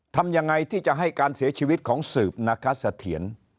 ทำยังไงที่จะให้การเสียชีวิตของสืบนาคสะเทียน